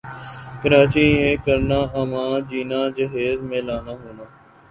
کراچی یِہ کرنا اماں جینا جہیز میں لانا ہونا